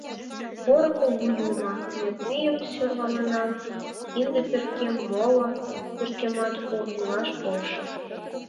Поро Кугу Юмо, ме тыйым сӧрвалена: кинде перкем, моло перкемат пу, илаш полшо...